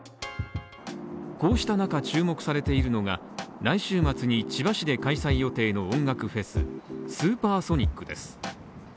こうした中注目されているのが来週末に千葉市で開催予定の音楽フェスＳＵＰＥＲＳＯＮＩＣです